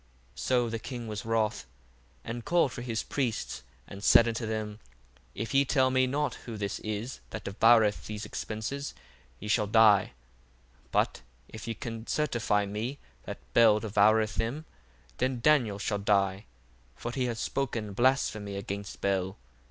1:8 So the king was wroth, and called for his priests, and said unto them, If ye tell me not who this is that devoureth these expences, ye shall die. 1:9 But if ye can certify me that Bel devoureth them, then Daniel shall die: for he hath spoken blasphemy against Bel.